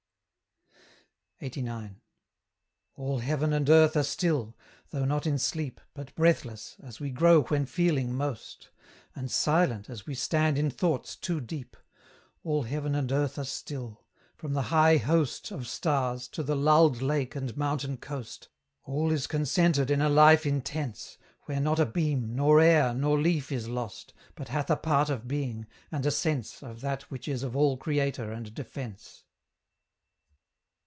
LXXXIX. All heaven and earth are still though not in sleep, But breathless, as we grow when feeling most; And silent, as we stand in thoughts too deep: All heaven and earth are still: from the high host Of stars, to the lulled lake and mountain coast, All is concentered in a life intense, Where not a beam, nor air, nor leaf is lost, But hath a part of being, and a sense Of that which is of all Creator and defence.